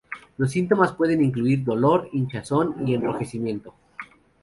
Los síntomas pueden incluir dolor, hinchazón y enrojecimiento.